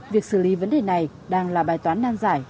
việc xử lý vấn đề này đang là bài toán nan giải